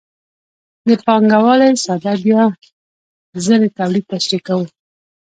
د پانګوالۍ ساده بیا ځلي تولید تشریح کوو